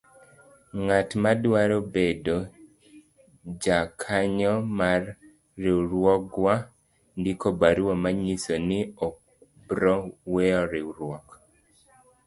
Ng'atma dwaro bedo jakanyo mar riwruogwa ndiko barua manyiso ni okobro weyo riwruok.